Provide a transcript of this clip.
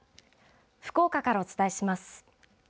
福岡からお伝えします。